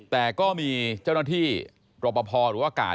แต่ก็มีเจ้าหน้าที่รอปภหรือว่ากาด